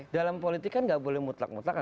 dalam politik kan tidak boleh mutlak mutlak kan